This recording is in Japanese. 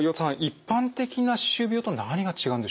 一般的な歯周病と何が違うんでしょうか。